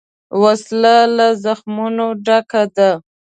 وسله له زخمونو ډکه ده